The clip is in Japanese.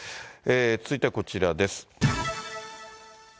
続いてはこちらです。